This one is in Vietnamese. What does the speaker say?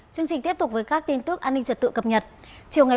chương trình tiếp tục với các tin tức về dịch bệnh tại hà nội